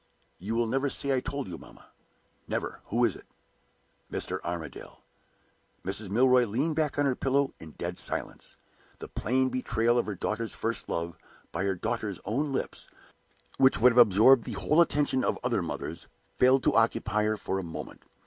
"You will never say I told you, mamma?" "Never! Who is it?" "Mr. Armadale." Mrs. Milroy leaned back on her pillow in dead silence. The plain betrayal of her daughter's first love, by her daughter's own lips, which would have absorbed the whole attention of other mothers, failed to occupy her for a moment.